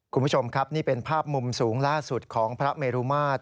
คุณผู้ชมครับนี่เป็นภาพมุมสูงล่าสุดของพระเมรุมาตร